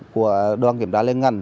của đoàn kiểm tra liên ngành